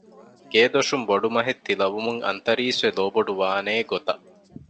ގޭދޮށުން ބޮޑުމަހެއް ތިލަވުމުން އަންތަރީސްވެ ލޯބޮޑުވާނޭ ގޮތަށް